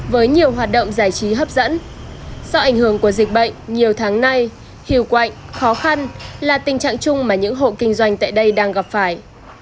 với nhiều hoạt động giải trí hấp dẫn do ảnh hưởng của dịch bệnh nhiều tháng nay hiệu quạnh khó khăn là tình trạng chung mà những hộ kinh doanh tại đây đang gặp phải